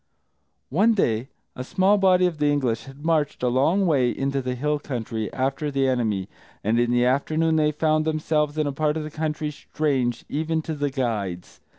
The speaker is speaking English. One day, a small body of the English had marched a long way into the hill country, after the enemy, and in the afternoon they found themselves in a part of the country strange even to the guides.